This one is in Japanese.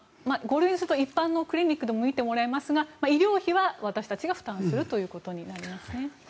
５類にすると一般のクリニックでも診てもらえますが医療費は私たちが負担することになりますね。